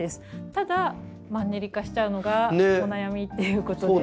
ただマンネリ化しちゃうのがお悩みっていうことで。